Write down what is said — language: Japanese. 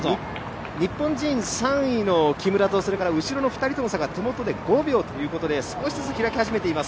日本人３位の木村と、後ろの２人との差が手元で５秒ということで、少しずつ開き始めています。